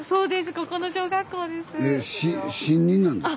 ここの小学校です。